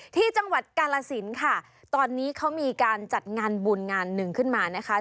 ที่จังหวัดกาลสินค่ะตอนนี้เขามีการจัดงานบุญงานหนึ่งขึ้นมานะคะ